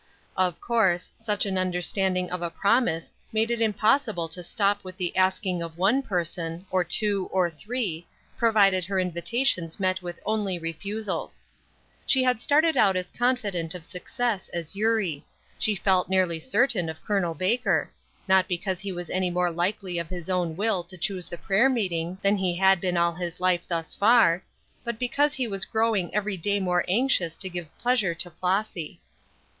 Of course, such an understanding of a promise made it impossible to stop with the asking of one person, or two, or three, provided her invitations met with only refusals. She had started out as confident of success as Eurie; she felt nearly certain of Col. Baker; not because he was any more likely of his own will to choose the prayer meeting than he had been all his life thus far, but because he was growing every day more anxious to give pleasure to Flossy.